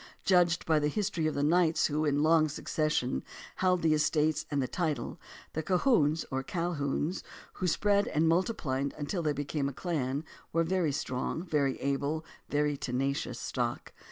Judged by the history of the knights who in long succession held the estates and the title, the Colquhouns or Calhouns, who spread and multiplied until they became a clan, were a very strong, very able, very tenacious stock.